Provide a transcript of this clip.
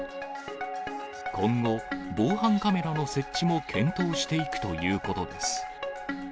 今後、防犯カメラの設置も検討していくということです。